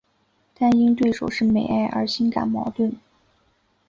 但因对手是美爱而心感矛盾。